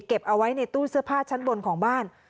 เอาไว้ในตู้เสื้อผ้าชั้นบนของบ้าน